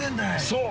◆そう！